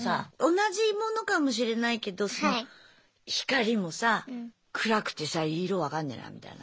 同じ物かもしれないけど光もさ暗くてさ色分かんねえなみたいな。